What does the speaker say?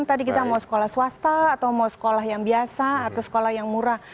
tadi kita mau sekolah swasta atau mau sekolah yang biasa atau sekolah yang murah